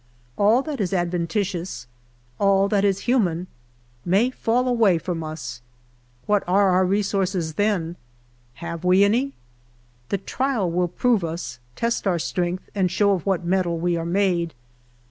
All that is adventitious — all that is human may fall away from us — what are our resources then ? have we any ? The trial will prove us, test our strength, and show of what mettle we are made.